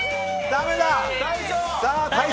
だめだ！